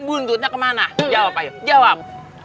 buntutnya kemana jawab ayo jawab